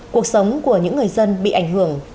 cuộc sống của những người dân bị ảnh hưởng